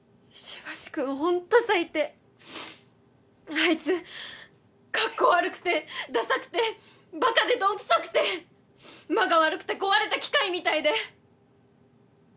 あいつかっこ悪くてださくて馬鹿でどんくさくて間が悪くて壊れた機械みたいで。